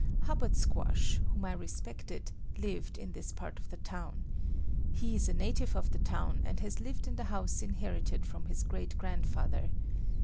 Hubbard Squash whom I respected lived in this part of the town. He is a native of the town, and has lived in the house inherited from his great grandfather.